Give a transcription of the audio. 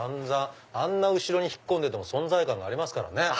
あんな後ろに引っ込んでても存在感がありますからね。